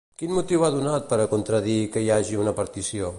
Quin motiu ha donat per a contradir que hi hagi una partició?